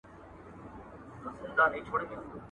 په غرمو کې وگټه، په سايو کې وخوره.